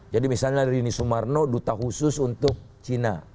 jadi misalnya dari sumarno duta khusus untuk china